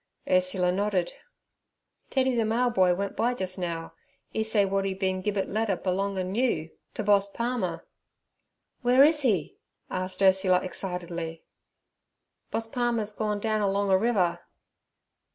Ursula nodded. 'Teddy, ther mail boy, went by jus' now, 'e say wot 'e bin gibbit letter b'longin' you, to Boss Palmer.' 'Where is he?' asked Ursula excitedly. 'Boss Palmer's gone down alonga river.'